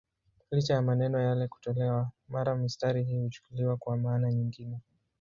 Licha ya maneno yale kutolewa, mara mistari hii huchukuliwa kwa maana nyingine.